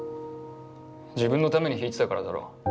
自分のために弾いてたからだろ。